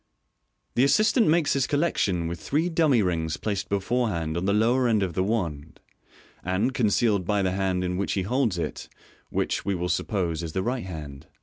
The assistant makes his collection with three dummy rings placed beforehand on the lower end of the wand, and concealed by the hand in which he holds it ; which, we will suppose, is the right hand.